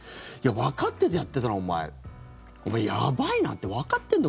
わかっててやってたらお前、やばいなってわかってるの？